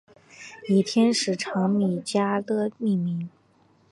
以天使长米迦勒命名。